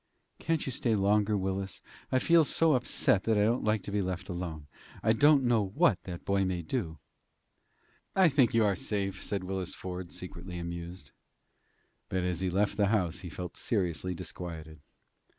"Can't you stay longer, Willis? I feel so upset that I don't like to be left alone. I don't know what that boy may do." "I think you are safe," said Willis Ford, secretly amused. But, as he left the house, he felt seriously disquieted.